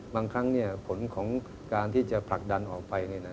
บางครั้งผลของการที่จะผลักดันออกไป